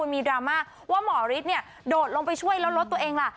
มีดราม่าว่าหมอฤทธิ์เนี่ยโดดลงไปช่วยแล้วรถตัวเองล่ะ